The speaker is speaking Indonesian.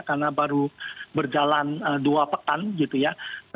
karena baru berjalan dua pekan gitu ya